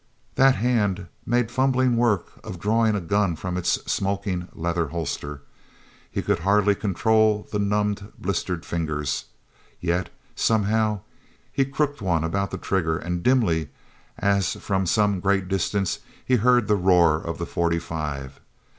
That hand made fumbling work of drawing a gun from its smoking, leather holster. He could hardly control the numbed, blistered fingers, yet somehow he crooked one about the trigger; and dimly, as from some great distance, he heard the roar of the forty five....